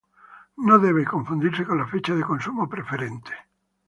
No debe confundirse con la fecha de consumo preferente.